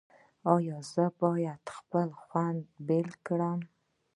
ایا زه باید خپله خونه بیله کړم؟